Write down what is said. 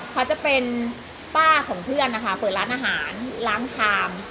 เขาจะเป็นป้าของเพื่อนนะคะเปิดร้านอาหารล้างชาม